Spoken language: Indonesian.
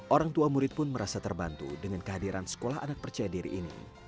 orang tua murid pun merasa terbantu dengan kehadiran sekolah anak percaya diri ini